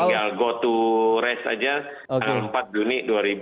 jadi tinggal go to rest saja empat juni dua ribu dua puluh dua